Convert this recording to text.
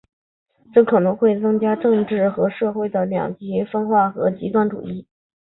这可能会增加政治和社会的两极分化和极端主义。